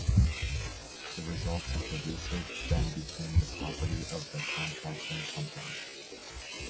The results of the research then became the property of the contracting company.